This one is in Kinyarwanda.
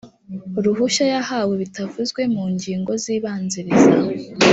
ruhushya yahawe bitavuzwe mu ngingo zibanziriza